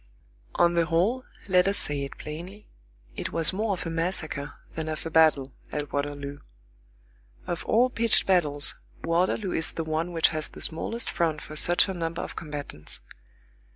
On the whole, let us say it plainly, it was more of a massacre than of a battle at Waterloo. Of all pitched battles, Waterloo is the one which has the smallest front for such a number of combatants.